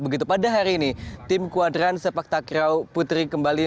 begitu pada hari ini tim kuadran sepak takraw putri kembali